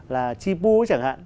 là chi pu chẳng hạn